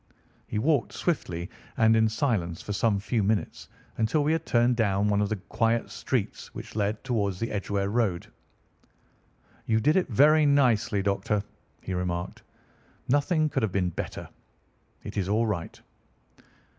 He walked swiftly and in silence for some few minutes until we had turned down one of the quiet streets which lead towards the Edgeware Road. "You did it very nicely, Doctor," he remarked. "Nothing could have been better. It is all right."